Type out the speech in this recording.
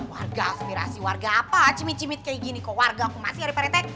warga aspirasi warga apa cimit cimit kayak gini kok warga aku masih ada paritek